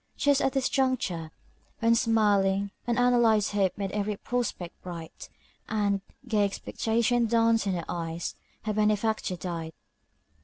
Just at this juncture, when smiling, unanalyzed hope made every prospect bright, and gay expectation danced in her eyes, her benefactor died.